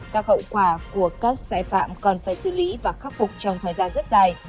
cao khẩu quả của các sai phạm còn phải xử lý và khắc phục trong thời gian rất dài